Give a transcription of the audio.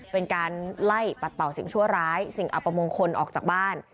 เป็นการไล่ปัดเป่าสิ่งชั่วร้ายสิ่งอัปมงคลออกจากบ้าน